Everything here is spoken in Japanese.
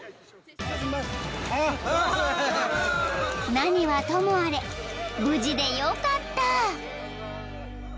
［何はともあれ無事でよかった］